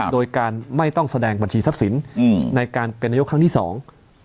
โดยการไม่ต้องแสดงบัญชีทรัพย์สินอืมในการเป็นนายกครั้งที่สอง